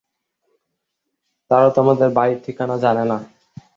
তারা তো আমাদের বাড়ির ঠিকানা জানে না।